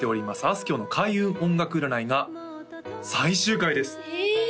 あすきょうの開運音楽占いが最終回です！え！